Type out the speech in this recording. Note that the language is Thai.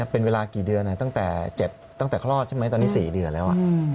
เป็นเวลากี่เดือนตั้งแต่ตั้งแต่คลอดใช่ไหมตอนนี้๔เดือนแล้ว